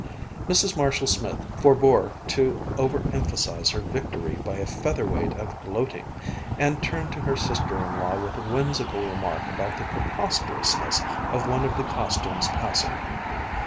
Mrs. Marshall Smith forbore to over emphasize her victory by a feather weight of gloating, and turned to her sister in law with a whimsical remark about the preposterousness of one of the costumes passing.